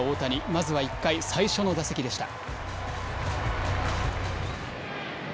まずは１回、最初の打席でした。